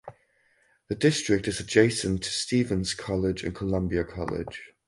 The district is adjacent to Stephens College and Columbia College.